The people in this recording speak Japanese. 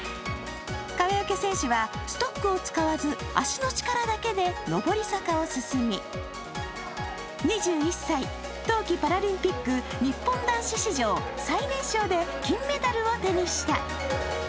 川除選手はストックを使わず足の力だけで上り坂を進み、２１歳、冬季パラリンピック日本男子史上最年少で金メダルを手にした。